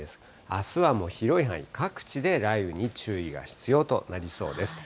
あすはもう広い範囲、各地で雷雨に注意が必要となりそうです。